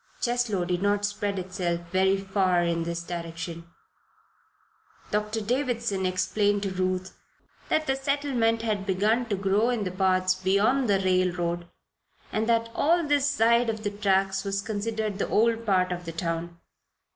Cheslow did not spread itself very far in this direction. Doctor Davison explained to Ruth that the settlement had begun to grow in the parts beyond the railroad and that all this side of the tracks was considered the old part of the town.